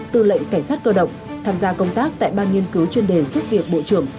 tư lệnh cảnh sát cơ động tham gia công tác tại ban nghiên cứu chuyên đề giúp việc bộ trưởng